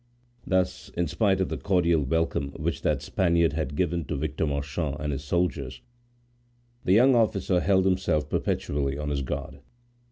Thus, in spite of the cordial welcome which that Spaniard had given to Victor Marchand and his soldiers, the young officer held himself perpetually on his guard.